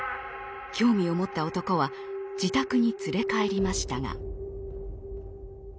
興味を持った男は自宅に連れ帰りましたが。